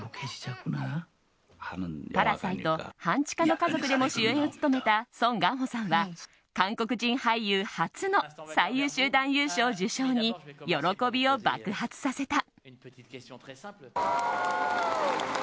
「パラサイト半地下の家族」でも主演を務めたソン・ガンホさんは韓国人俳優初の最優秀男優賞受賞に喜びを爆発させた。